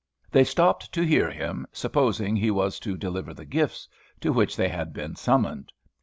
They stopped to hear him, supposing he was to deliver the gifts, to which they had been summoned.